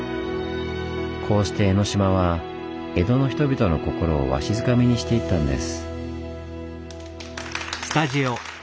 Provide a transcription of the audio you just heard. こうして江の島は江戸の人々の心をわしづかみにしていったんです。